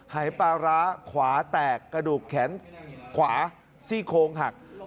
หายปลาร้าขวาแตกกระดูกแขนขวาซี่โครงหัก